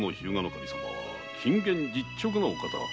守様は謹厳実直なお方。